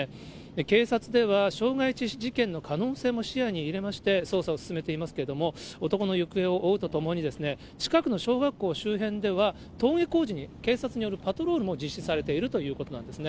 警察では傷害致死事件の可能性も視野に入れまして、捜査を進めていますけれども、男の行方を追うとともに、近くの小学校周辺では、登下校時に警察によるパトロールも実施されているということなんですね。